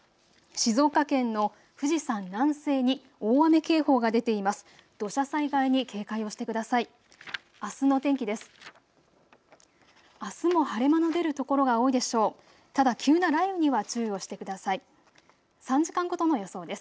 静岡県の富士山南西に大雨警報が出ています。